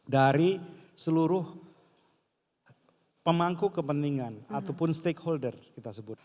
dari seluruh pemangku kepentingan ataupun stakeholder kita sebut